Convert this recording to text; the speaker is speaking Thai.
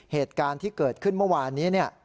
เหตุการณ์ที่เกิดขึ้นเมื่อวานนี้เนี่ย